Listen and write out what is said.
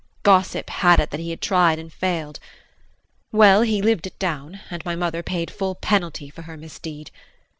Gossip had it that he had tried and failed. Well, he lived it down and my mother paid full penalty for her misdeed.